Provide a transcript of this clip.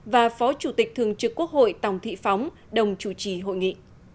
và phó chủ tịch thường trực quốc hội tòng thị phóng đồng chủ trì hội nghị